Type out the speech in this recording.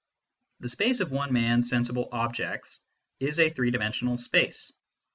The space of one man s sensible objects is a three dimensional space.